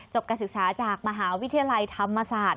การศึกษาจากมหาวิทยาลัยธรรมศาสตร์